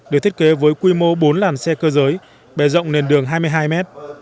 được thiết kế với quy mô bốn làn xe cơ giới bề rộng nền đường hai mươi hai mét